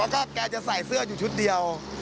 แล้วก็แกจะใส่เสื้ออยู่ชุดเดียว